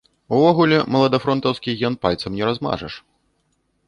Увогуле, маладафронтаўскі ген пальцам не размажаш.